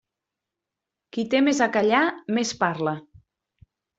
Qui té més a callar més parla.